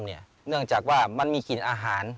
เนื่องจากว่ามันมีกลิ่นอาหาร